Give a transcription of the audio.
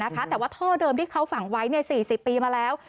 แต่ว่าท่อเดิมที่เขาฝังไว้๔๐ปีมาแล้ว